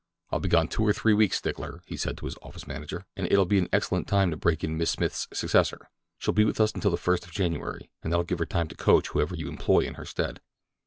"I'll be gone two or three weeks, Stickler," he said to his office manager; "and it'll be an excellent time to break in Miss Smith's successor. She'll be with us until the first of January, and that'll give her time to coach whoever you employ in her stead.